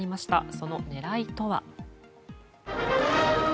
その狙いとは。